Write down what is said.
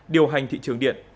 điều hành thị trường điện